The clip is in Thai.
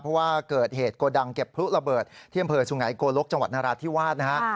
เพราะว่าเกิดเหตุโกดังเก็บพลุระเบิดที่อำเภอสุไงโกลกจังหวัดนราธิวาสนะฮะ